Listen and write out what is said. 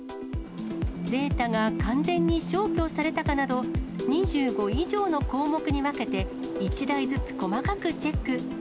データが完全に消去されたかなど、２５以上の項目に分けて、１台ずつ細かくチェック。